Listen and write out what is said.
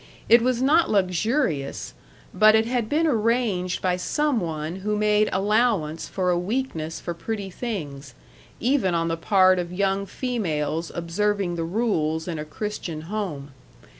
It was not luxurious, but it had been arranged by some one who made allowance for a weakness for pretty things, even on the part of young females observing the rules in a Christian home.